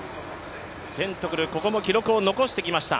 テントグル、ここも記録を残してきました。